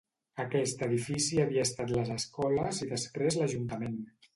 Aquest edifici havia estat les escoles i després l'ajuntament.